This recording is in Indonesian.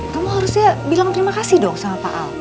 kamu harusnya bilang terima kasih dok sama pak al